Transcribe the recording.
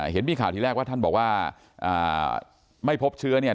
เห็นมีข่าวที่แรกว่าท่านบอกว่าไม่พบเชื้อเนี่ย